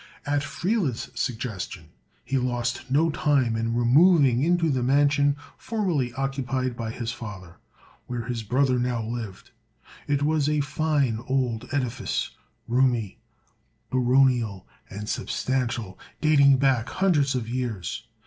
At Friele's suggestion, he lost no time in removing into the mansion formerly occupied by his father, where his brother now lived. It was a fine old edifice, roomy, baronial, and substantial, dating back hundreds of years.